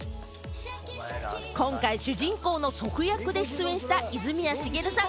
今回、主人公の祖父役で出演した泉谷しげるさん。